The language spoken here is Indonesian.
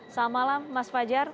selamat malam mas fajar